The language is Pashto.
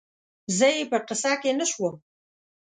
زه یې په قصه کې نه شوم